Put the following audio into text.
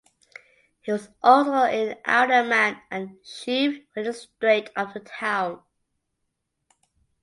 He was also an alderman and Chief Magistrate of the town.